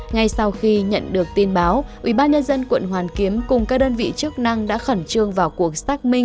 ngay sau khi nhận được tin báo ubnd quận hoàn kiếm cùng các đơn vị chức năng đã khẩn trương vào cuộc xác minh